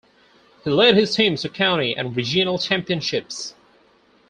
He led his teams to county and regional championships.